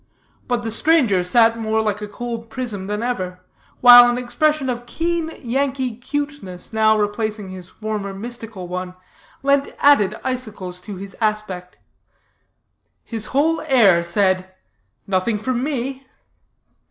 But the stranger sat more like a cold prism than ever, while an expression of keen Yankee cuteness, now replacing his former mystical one, lent added icicles to his aspect. His whole air said: "Nothing from me."